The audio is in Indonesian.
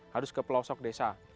harus ke pelosok desa